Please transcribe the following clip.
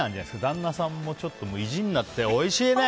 旦那さんもちょっと意地になっておいしいね！